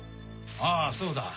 ああそうだ。